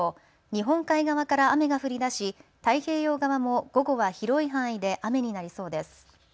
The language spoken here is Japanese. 日本海側から雨が降りだし太平洋側も午後は広い範囲で雨になりそうです。